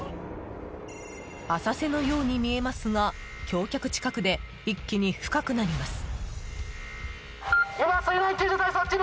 浅瀬のように見えますが橋脚近くで一気に深くなります。